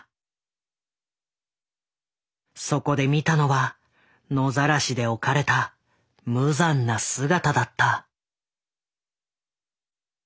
そこで見たのは野ざらしで置かれた無残な姿だった。